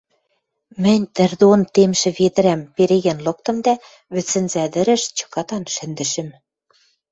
Мӹнь тӹрдон темшӹ ведӹрӓм переген лыктым дӓ вӹдсӹнзӓ тӹрӹш чыкатан шӹндӹшӹм.